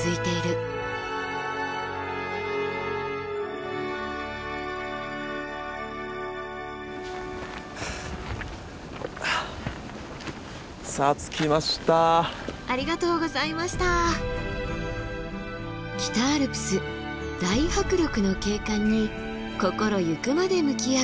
北アルプス大迫力の景観に心ゆくまで向き合う白馬岳です。